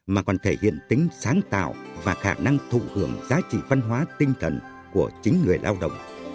mà còn thể hiện tính sáng tạo và khả năng thụ hưởng giá trị văn hóa tinh thần của chính người lao động